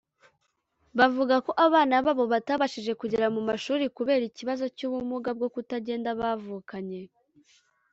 bavuga ko abana babo batabashije kugera mu mashuri kubera ikibazo cy’ubumuga bwo kutagenda bavukanye